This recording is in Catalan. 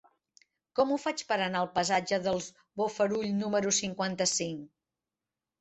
Com ho faig per anar al passatge dels Bofarull número cinquanta-cinc?